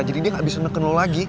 jadi dia gak bisa neken lo lagi